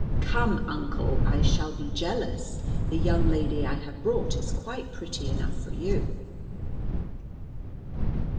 "Come, uncle, I shall be jealous. The young lady I have brought is quite pretty enough for you."